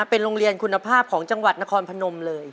เป็นโรงเรียนคุณภาพของจังหวัดนครพนมเลย